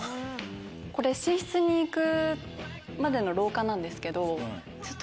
これ寝室に行くまでの廊下なんですけどちょっと。